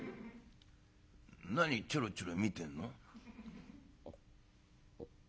何ちょろちょろ見てんの？」。